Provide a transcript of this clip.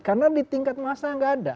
karena di tingkat masa tidak ada